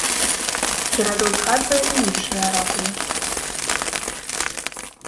Герадот згадвае і іншыя аракулы.